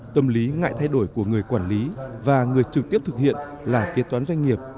tâm lý ngại thay đổi của người quản lý và người trực tiếp thực hiện là kế toán doanh nghiệp